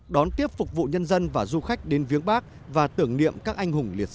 đón tiếp phục vụ nhân dân và du khách đến viếng bắc và tưởng niệm các anh hùng liệt sĩ